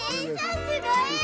すごいよ！